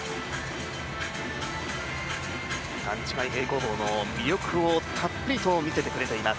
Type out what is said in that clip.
段違い平行棒の魅力をたっぷりと見せてくれています。